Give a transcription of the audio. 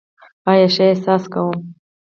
آیا ښه احساس کوې؟